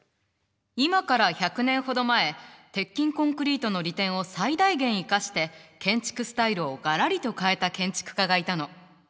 今から１００年ほど前鉄筋コンクリートの利点を最大限生かして建築スタイルをガラリと変えた建築家がいたの。